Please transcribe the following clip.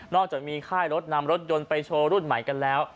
อกจากมีค่ายรถนำรถยนต์ไปโชว์รุ่นใหม่กันแล้ว